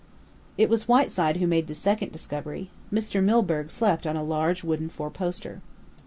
It was Whiteside who made the second discovery. Mr. Milburgh slept on a large wooden four poster.